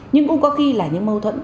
nhưng cũng có khi là những mâu thuẫn